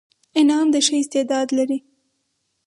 انعام د ښه استعداد لري.